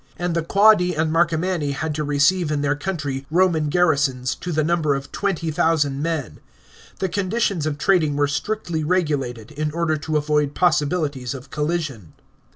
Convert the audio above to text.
And the Quadi and Marcomanni had to receive in their country Roman garrisons, to the number of 20,000 men. The conditioLs of trading were strictly regulated, in order to avoid possibilities of collision.